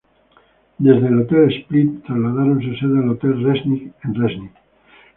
Desde el Hotel Split trasladaron su sede al Hotel Resnik en Resnik.